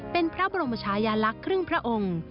เป็นพระบรมชายาลักษณ์ครึ่งพระองค์